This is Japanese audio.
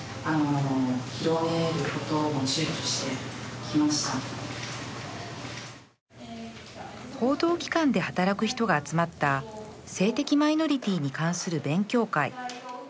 普段だったら報道機関で働く人が集まった性的マイノリティーに関する勉強会